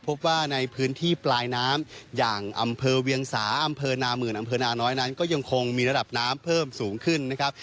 พบว่าในพื้นที่ปลายน้ำอย่างอำเภอเวียงสาอำเภอนามื่นอำเภอนาน้อยนั้นก็ยังคงมีระดับน้ำเพิ่มสูงขึ้นนะครับ